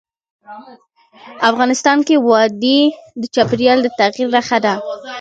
افغانستان کې وادي د چاپېریال د تغیر نښه ده.